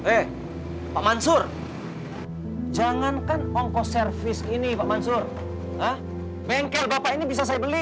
eh pak mansur jangankan ongkos servis ini pak mansur bengkel bapak ini bisa saya beli